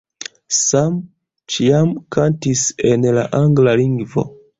Sam ĉiam kantis en la angla lingvo.